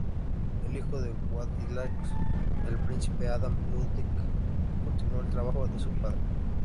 El hijo de Władysław, el príncipe Adam Ludwik, continuó el trabajo de su padre.